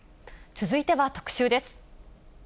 続いては特集です。